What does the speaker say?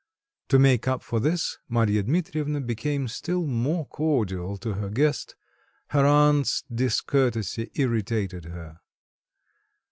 To make up for this, Marya Dmitrievna became still more cordial to her guest; her aunt's discourtesy irritated her.